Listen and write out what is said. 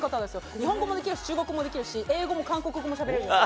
日本語も中国語もできるし、英語も韓国語もしゃべれるんですよ。